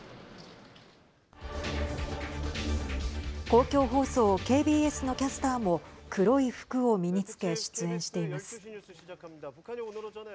公共放送ＫＢＳのキャスターも黒い服を身につけ出演しています。